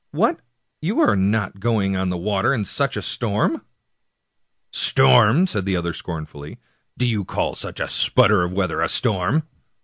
" What, you are not going on the water in such a storm ?"" Storm !" said the other scornfully, " do you call such a sputter of weather a storm